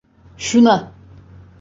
Şuna!